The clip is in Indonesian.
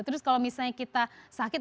terus kalau misalnya kita sakit